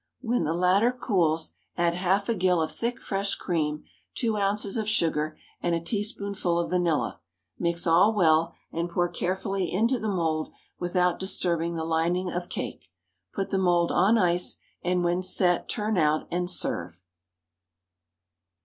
When the latter cools, add half a gill of thick, fresh cream, two ounces of sugar, and a teaspoonful of vanilla; mix all well, and pour carefully into the mould without disturbing the lining of cake. Put the mould on ice, and, when set, turn out and serve.